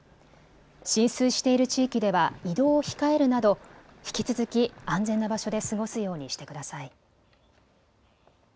浸水している地域では移動を控えるなど引き続き安全な場所で過ごすようにしてください。